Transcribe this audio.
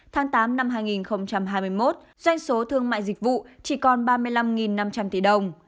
tháng tám năm hai nghìn hai mươi một doanh số thương mại dịch vụ chỉ còn ba mươi năm năm trăm linh tỷ đồng